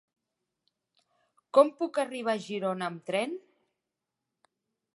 Com puc arribar a Girona amb tren?